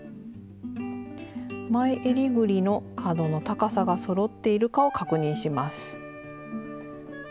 前えりぐりの角の高さがそろっているかを確認します。